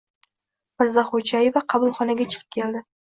Mirzaxo‘jaeva qabulxonaga chiqib keldi.